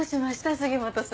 杉本さん。